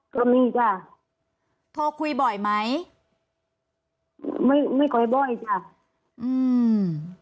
ก็มีจ้ะโทรคุยบ่อยไหมไม่ไม่ค่อยบ่อยจ้ะอืม